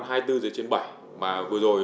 hai mươi bốn h trên bảy mà vừa rồi